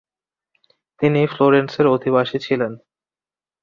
তিনি ফ্লোরেন্সের অধিবাসী ছিলেন।